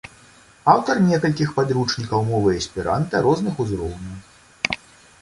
Аўтар некалькіх падручнікаў мовы эсперанта розных узроўняў.